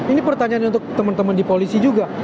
ini pertanyaannya untuk teman teman di polisi juga